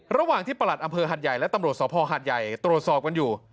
ระหว่างที่ประหลัดอำเภอหัดใหญ่และตำรวจสภหัดใหญ่ตรวจสอบกันอยู่